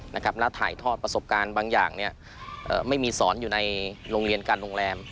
แล้วถ่ายทอดประสบการณ์บางอย่างไม่มีสอนอยู่ในโรงเรียนการโรงแรม